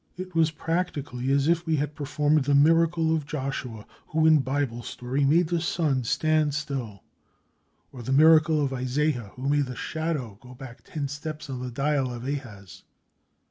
It was practically as if we had performed the miracle of Joshua, who in Bible story, made the sun stand still, or the miracle of Isaiah, who made the shadow go back ten steps on the dial of Ahaz.